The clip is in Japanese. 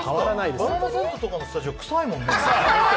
「バナナサンド」とかのスタジオ、臭いもんね。